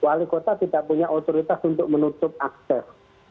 wali kota tidak punya otoritas untuk menutup akses